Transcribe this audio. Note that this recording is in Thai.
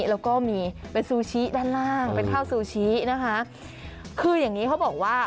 แล้วก็มีเป็นซูชิด้านล่างเป็นข้าวซูชินะคะคืออย่างงี้เขาบอกว่า